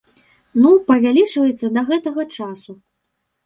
Ну, павялічваецца да гэтага часу.